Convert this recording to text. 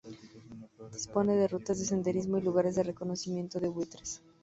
Dispone de rutas de Senderismo y lugares de reconocimiento de buitres.